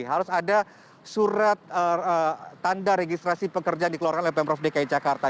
harus ada surat tanda registrasi pekerjaan dikeluarkan oleh pemprov dki jakarta